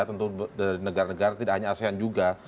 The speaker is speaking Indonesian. tentu dari negara negara tidak hanya asean juga